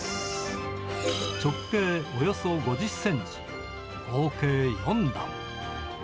直径およそ５０センチ、合計４段。